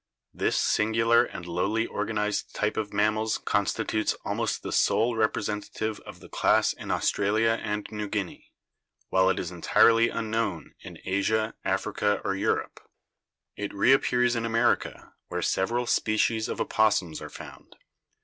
This singular and lowly organized type of mammals constitutes almost the sole representative of the class in Australia and New Guinea, while it is entirely unknown in Asia, Africa or Europe. It reappears in America, where several species of opos sums are found.